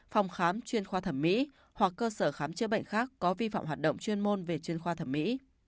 phòng khám chuyên khoa thẩm mỹ hoặc cơ sở khám chữa bệnh khác có vi phạm hoạt động chuyên môn về chuyên khoa thẩm mỹ